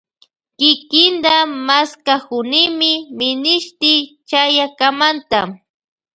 Kikinta mashkakunimi minishti chayakamanta.